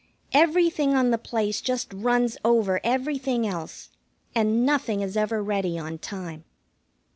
Everything on the place just runs over everything else, and nothing is ever ready on time.